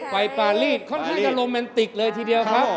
ปารีสค่อนข้างจะโรแมนติกเลยทีเดียวครับ